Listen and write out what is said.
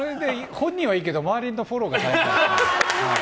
本人はいいけど周りのフォローが大変。